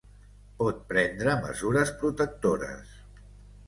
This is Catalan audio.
Pot prendre mesures protectores.